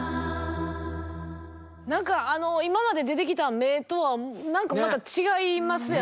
何かあの今まで出てきた目とは何かまた違いますよね。